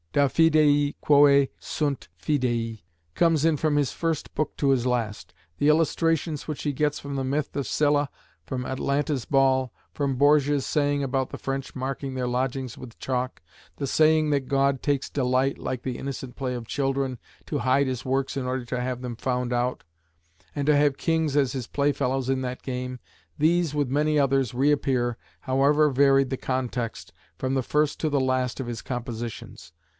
"Da Fidei quæ sunt Fidei" comes in from his first book to his last. The illustrations which he gets from the myth of Scylla, from Atalanta's ball, from Borgia's saying about the French marking their lodgings with chalk, the saying that God takes delight, like the "innocent play of children," "to hide his works in order to have them found out," and to have kings as "his playfellows in that game," these, with many others, reappear, however varied the context, from the first to the last of his compositions.